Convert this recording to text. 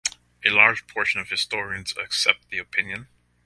A large portion of historians accept the opinion.